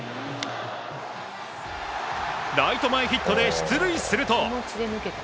ライト前ヒットで出塁すると。